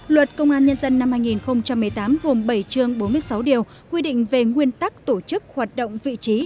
luật công an nhân dân năm hai nghìn một mươi tám gồm bảy chương bốn mươi sáu điều quy định về nguyên tắc tổ chức hoạt động vị trí